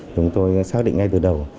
chúng tôi xác định ngay từ đầu